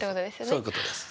そういうことです。